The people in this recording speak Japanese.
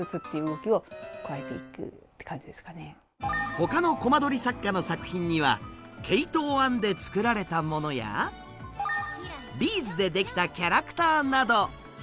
他のコマ撮り作家の作品には毛糸を編んで作られたものやビーズで出来たキャラクターなど。